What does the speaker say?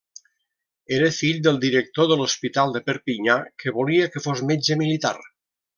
Era fill del director de l'hospital de Perpinyà, que volia que fos metge militar.